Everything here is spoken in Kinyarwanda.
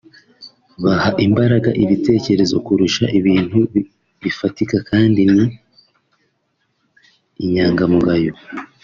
baha imbaraga ibitekerezo kurusha ibintu bifatika kandi ni inyangamugayo